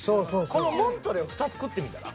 このモントレーを２つ食ってみたら？